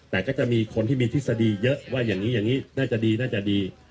แต่ก็จะมีคนที่มีทฤษฎีเยอะว่าอย่างนี้อย่างนี้น่าจะดีน่าจะดี